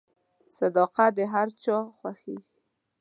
• صداقت د هر چا خوښیږي.